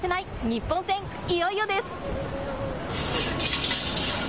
日本戦、いよいよです！